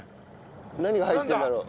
何が入ってるんだろう？